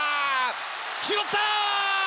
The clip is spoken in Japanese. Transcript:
拾った！